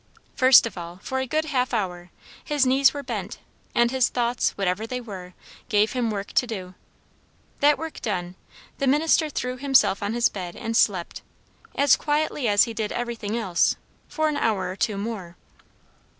First of all, for a good half hour, his knees were bent, and his thoughts, whatever they were, gave him work to do. That work done, the minister threw himself on his bed and slept, as quietly as he did everything else, for an hour or two more.